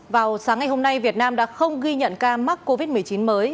vào sáng ngày hôm nay việt nam đã không ghi nhận ca mắc covid một mươi chín mới